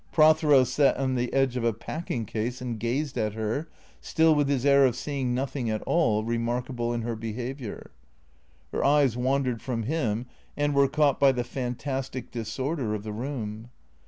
Prothero sat on the edge of a packing case and gazed at her, still with his air of seeing nothing at all remarkable in her behaviour. Her eyes wandered from him and were caught by the fan tastic disorder of the room.